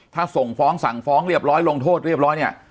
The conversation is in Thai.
ถ้าส่งฟ้องสั่งฟ้องเรียบร้อยลงโทษเรียบร้อยเนี่ย